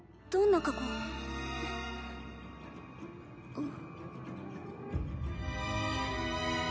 あっ。